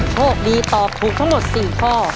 โชคดีตอบถูกทั้งหมด๔ข้อ